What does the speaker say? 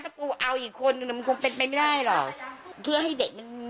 ถ้ากูเอาอีกคนนึงมันคงเป็นไปไม่ได้หรอกเพื่อให้เด็กมัน